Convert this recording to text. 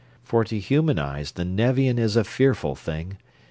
For to human eyes the Nevian is a fearful thing.